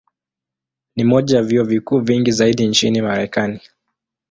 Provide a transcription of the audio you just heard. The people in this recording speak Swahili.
Ni moja ya vyuo vikuu vingi zaidi nchini Marekani.